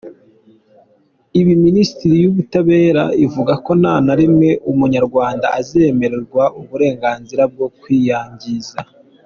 Ibi Minisiteri y’Ubutabera ivuga ko nta na rimwe Umunyarwanda azemererwa uburenganzira bwo kwiyangiza.